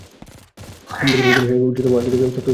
বেদের শেষাংশ উচ্চতম আধ্যাত্মিক তত্ত্বে পরিপূর্ণ।